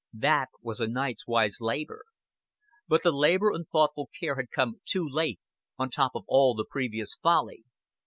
That was a night's wise labor. But the labor and thoughtful care had come too late, on top of all the previous folly.